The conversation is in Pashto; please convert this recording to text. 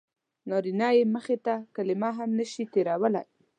نارینه یې مخې ته کلمه هم نه شي تېرولی.